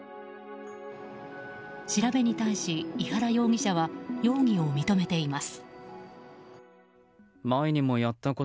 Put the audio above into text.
調べに対し、井原容疑者は容疑を認めています。